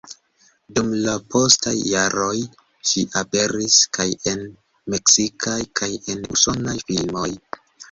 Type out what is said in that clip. Dum la postaj jaroj ŝi aperis kaj en meksikaj kaj en usonaj filmoj.